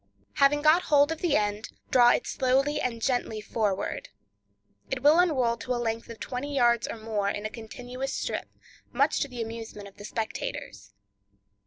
Having got hold of the end, draw it slowly and gently forward. It will unroll to a length of twenty yards or more in a continuous strip, much to the amusement of the spectators.